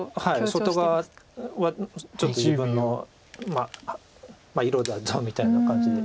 外側はちょっと自分の色だぞみたいな感じで。